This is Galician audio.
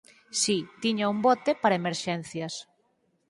Si, tiña un bote para emerxencias.